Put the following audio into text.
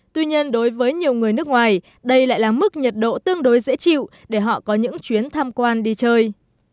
tuy nhiên đối với nhiều người nước ngoài đây lại là mức nhiệt độ tương đối dễ chịu để họ có những chuyến tham quan đi chơi